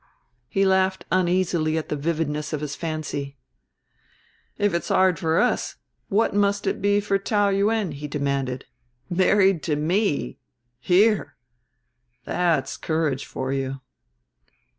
He laughed uneasily at the vividness of his fancy. "If it's hard for us what must it be for Taou Yuen?" he demanded. "Married to me! Here! That's courage for you."